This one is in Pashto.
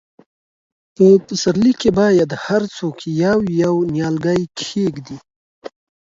په پسرلي کې باید هر څوک یو، یو نیالګی کښېږدي.